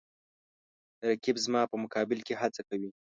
رقیب زما په مقابل کې هڅه کوي